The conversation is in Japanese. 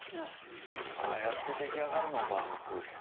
ああやって出来上がるのバウムクーヘン。